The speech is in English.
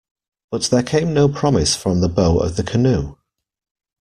But there came no promise from the bow of the canoe.